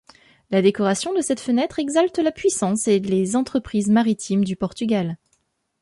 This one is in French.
La décoration de cette fenêtre exalte la puissance et les entreprises maritimes du Portugal.